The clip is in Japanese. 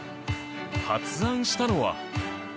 発案したのは。